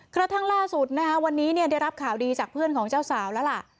กระทั่งล่าสุดนะคะวันนี้ได้รับข่าวดีจากเพื่อนของเจ้าสาวแล้วล่ะ